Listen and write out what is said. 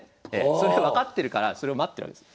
それを分かってるからそれを待ってるわけです。